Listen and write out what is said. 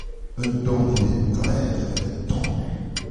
Un danevell taer evel an tan !